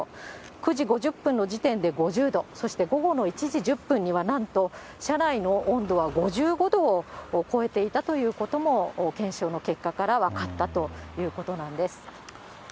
９時５０分の時点で５０度、そして午後の１時１０分にはなんと車内の温度は５５度を超えていたということも、検証の結果から分かったということなんです。